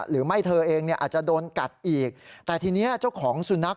เธอเองเนี่ยอาจจะโดนกัดอีกแต่ทีนี้เจ้าของสุนัข